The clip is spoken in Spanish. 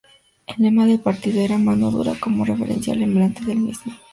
El lema del partido era "Mano Dura", como referencia al emblema del mismo.